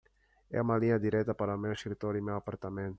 É uma linha direta para o meu escritório e meu apartamento.